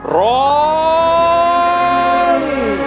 ร้อง